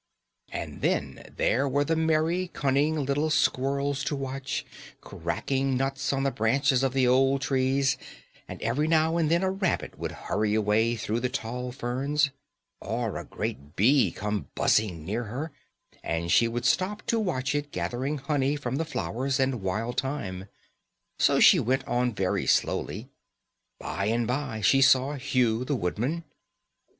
] And then there were the merry, cunning little squirrels to watch, cracking nuts on the branches of the old trees, and every now and then a rabbit would hurry away through the tall ferns, or a great bee come buzzing near her, and she would stop to watch it gathering honey from the flowers, and wild thyme. So she went on very slowly. By and by she saw Hugh, the woodman.